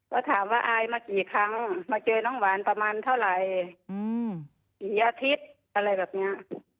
ก็ถามว่าอายมากี่ครั้งมาเจอน้องหวานประมาณเท่าไหร่กี่อาทิตย์อะไรแบบเนี้ย